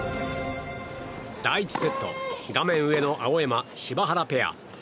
第１セット、画面上の青山、柴原ペア。